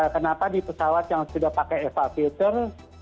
kenapa di pesawat yang sudah pakai eva filter